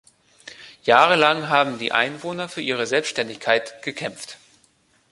Jahrelang haben die Einwohner für ihre Selbständigkeit gekämpft.